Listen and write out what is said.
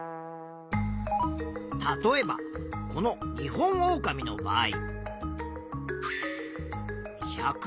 例えばこのニホンオオカミの場合。